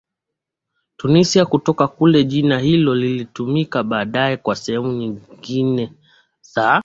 Tunisia Kutoka kule jina hilo lilitumika baadaye kwa sehemu nyingine za